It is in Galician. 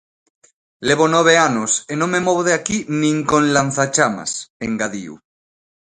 Levo nove anos e non me movo de aquí nin con lanzachamas, engadiu.